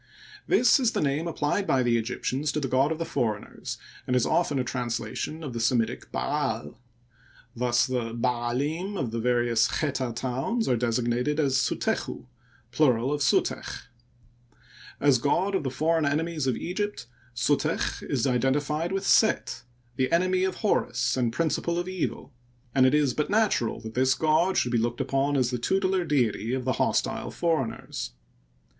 This is the name applied by the Egyptians to the god of the foreigners, and is often a translation of the Semitic Ba*al. Thus the Ba'alim of the various Cheta towns are designated as Sutecku (plural of Suteck), As god of the foreign enemies of Eg^pt, Suteck is identified with Set^ the enemy of Horus and principle of evil ; and it is but natural that this god should be looked upon as the tutelar deity of the hostile foreigners.